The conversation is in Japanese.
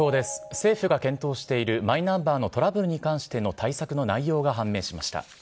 政府が検討しているマイナンバーのトラブルに関しての対策の内容が判明しました。